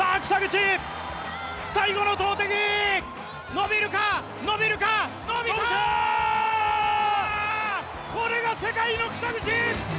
さぁ北口、最後の投てき、伸びるか、伸びるか、さすが世界の北口。